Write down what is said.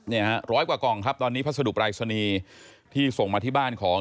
เนี่ยฮะร้อยกว่ากล่องครับตอนนี้พัสดุปรายศนีย์ที่ส่งมาที่บ้านของ